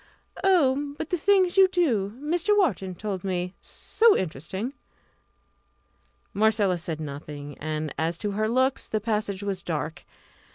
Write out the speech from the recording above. "Oh, but the things you do Mr. Wharton told me so interesting!" Marcella said nothing, and as to her looks the passage was dark.